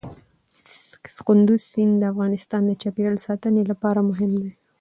کندز سیند د افغانستان د چاپیریال ساتنې لپاره مهم دي.